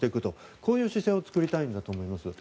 こういう姿勢を作りたいんだと思います。